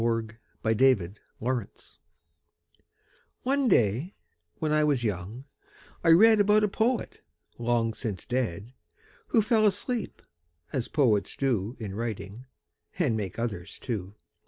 XXIX THE POET WHO SLEEPS One day, when I was young, I read About a poet, long since dead, Who fell asleep, as poets do In writing and make others too.